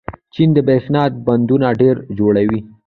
چین د برښنا بندونه ډېر جوړوي.